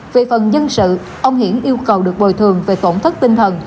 về phần nhân sự ông hiển yêu cầu được bồi thường về tổn thất tinh thần